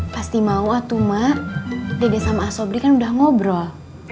pasti mau tuh mak dede sama asobri kan udah ngobrol